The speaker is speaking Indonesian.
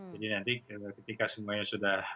jadi nanti ketika semuanya sudah